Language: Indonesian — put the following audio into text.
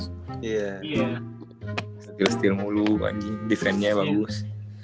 stil stil mulu defennya bagus